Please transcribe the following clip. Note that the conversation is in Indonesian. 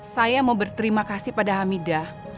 saya mau berterima kasih pada hamidah